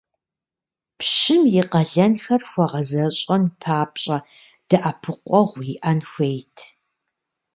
Пщым и къалэнхэр хуэгъэзэщӀэн папщӀэ дэӀэпыкъуэгъу иӀэн хуейт.